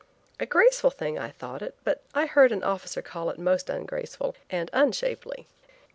A graceful thing I thought it, but I heard an officer call it most ungraceful and unshapely.